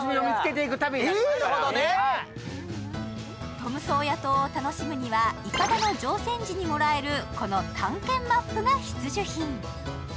トムソーヤ島を楽しむにはいかだの乗船時にもらえるこの探検マップが必需品。